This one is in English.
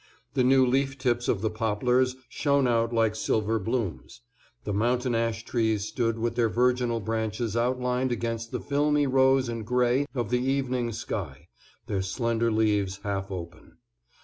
The new leaf tips of the poplars shone out like silver blooms. The mountain ash trees stood with their virginal branches outlined against the filmy rose and gray of the evening sky, their slender leaves half open.